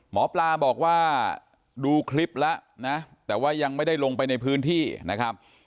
หมอปลาบอกว่าดูคลิปแล้วนะแต่ว่ายังไม่ได้ลงไปในพื้นที่นะครับ